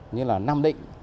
như nam định